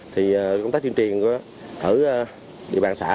thì công tác tiêu triền ở địa bàn xã